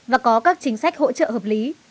và có các chính sách hỗ trợ hợp lý